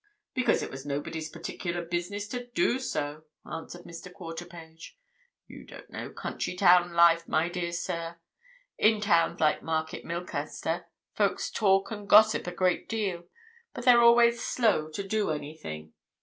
"Because it was nobody's particular business to do so," answered Mr. Quarterpage. "You don't know country town life, my dear sir. In towns like Market Milcaster folks talk and gossip a great deal, but they're always slow to do anything.